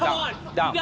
ダウン。